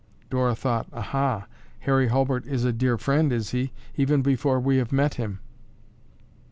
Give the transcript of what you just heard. Dora thought, "Aha! Harry Hulbert is a dear friend, is he, even before we have met him."